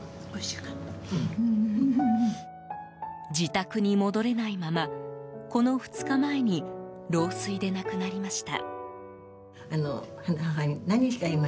自宅に戻れないままこの２日前に老衰で亡くなりました。